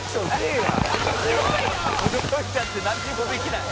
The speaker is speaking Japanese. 「驚いちゃってなんにもできない」